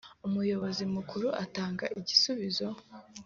Umuyobozi Mukuru atanga igisubizo